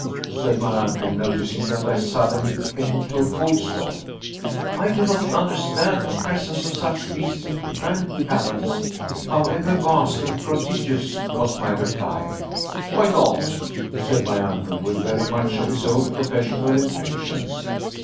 said my uncle, noticing that I suddenly came to a full stop. "I do not understand the presence of such beasts in granite caverns, however vast and prodigious," was my reply. "Why not?" said my uncle, with very much of his old professional impatience.